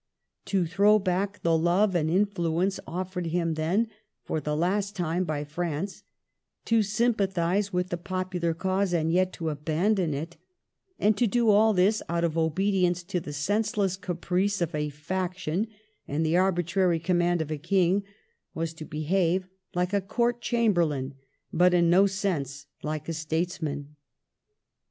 To throw back the love and influence offered him then for the last time by France, to sympathize with the popular cause and yet to abandon it, and to do all this out of obedience to the senseless caprice of a faction and the arbi trary command of a king, was to behave like a Court chamberlain, but in no sense like a states man.